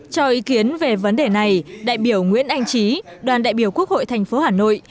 cho ý kiến về vấn đề này đại biểu nguyễn anh trí đoàn đại biểu quốc hội thành phố hà nội